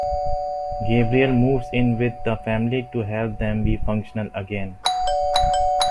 Gabriel moves in with the family to help them be functional again.